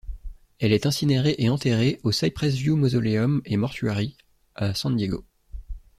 Elle est incinérée et enterrée au 'Cypress View Mausoleum & Mortuary' à San Diego.